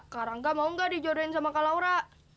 kak rangga mau nggak dijodohin sama kak laura